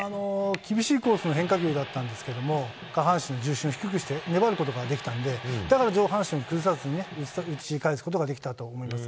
厳しいコースの変化球だったんですけども、下半身の重心を低くして、粘ることができたんで、だから上半身を崩さずに打ち返すことができたと思います。